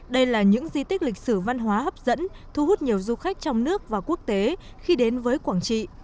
đây là những di tích lịch sử văn hóa hấp dẫn thu hút nhiều du khách trong nước và quốc tế khi đến với quảng trị